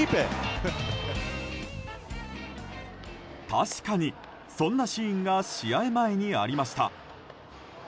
確かにそんなシーンが試合前にありました。